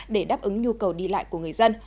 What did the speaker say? để đáp ứng nhu cầu đi lại của người dân